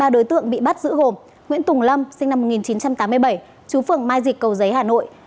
ba đối tượng bị bắt giữ gồm nguyễn tùng lâm sinh năm một nghìn chín trăm tám mươi bảy chú phường mai dịch cầu giấy hà nội